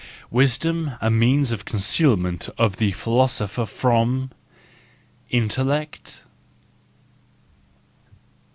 Wisdom a means of concealment of the philosopher from—intellect